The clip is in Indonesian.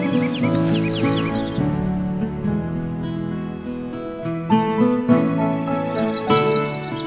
miko disini dulu